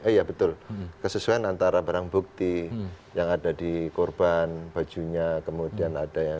iya betul kesesuaian antara barang bukti yang ada di korban bajunya kemudian ada yang